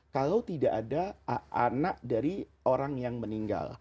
kalau tidak ada anak dari orang yang meninggal